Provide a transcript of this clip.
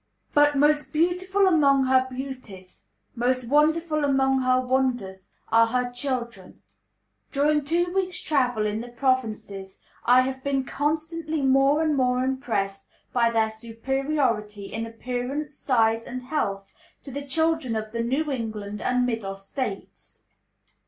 But most beautiful among her beauties, most wonderful among her wonders, are her children. During two weeks' travel in the provinces, I have been constantly more and more impressed by their superiority in appearance, size, and health to the children of the New England and Middle States.